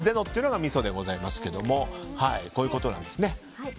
日常生活でのというのがみそでございますがこういうことなんですね。